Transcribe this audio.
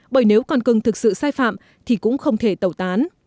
bởi nếu con cưng thực sự sai phạm thì cũng không thể tẩu tán